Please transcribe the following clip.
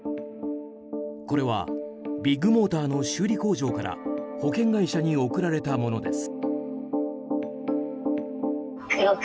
これはビッグモーターの修理工場から保険会社に送られたものです。